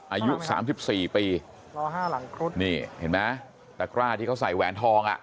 อายุสามสิบสี่ปีล้อห้าหลังครุฑนี่เห็นไหมตะกร้าที่เขาใส่แหวนทองอ่ะ